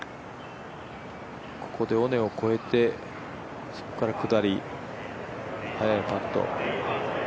ここで尾根を越えて、そこから下り、速いパット。